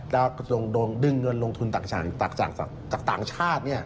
แล้วก็ตรงดึงเงินลงทุนจากต่างชาติ